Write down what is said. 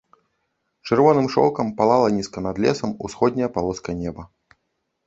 Чырвоным шоўкам палала нізка над лесам усходняя палоска неба.